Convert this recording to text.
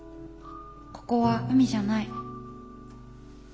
ここは海じゃない。